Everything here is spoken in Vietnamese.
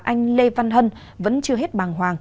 anh lê văn hân vẫn chưa hết bàng hoàng